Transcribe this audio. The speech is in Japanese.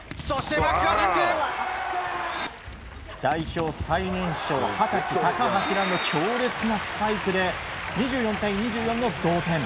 代表最年少、二十歳高橋藍の強烈なスパイクで２４対２４の同点。